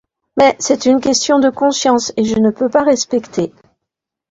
Mais c'est une question de conscience et je ne peux pas respecter.